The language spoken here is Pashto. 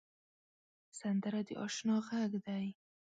سندره د اشنا غږ دی